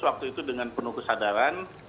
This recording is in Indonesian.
waktu itu dengan penuh kesadaran